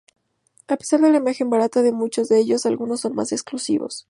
A pesar de la imagen barata de muchos de ellos, algunos son más exclusivos.